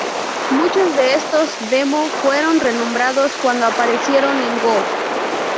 Muchos de estos demo fueron renombrados cuando aparecieron en Goo.